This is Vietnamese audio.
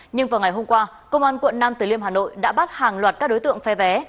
nhưng vào ngày hôm qua công an quận nam từ liêm hà nội đã bắt hàng loạt các đối tượng phe vé